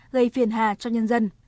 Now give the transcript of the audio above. gây phiền hà cho nhân dân